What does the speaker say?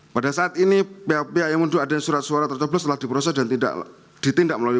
pada saat ini pap ayamundu adanya surat suara tercoblos telah diproses dan tidak ditindak melalui